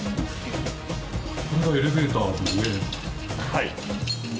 はい。